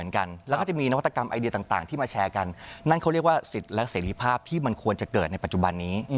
นั่นเขาเรียกว่าสิทธิ์และเสร็จภาพที่มันควรจะเกิดในปัจจุบันนี้